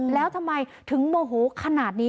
แล้วทำไมถึงโมโหขนาดนี้